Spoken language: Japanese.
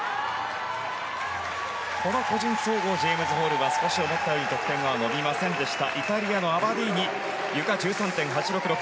個人総合ジェームズ・ホールは少し思ったより得点は伸びませんでした。